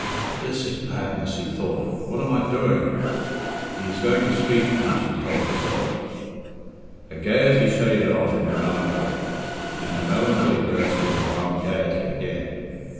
"This is madness," he thought. "What am I doing?" "He is going to speak now," she told herself. Her gaiety shaded off into melancholy, and her melancholy burst into wild gaiety again.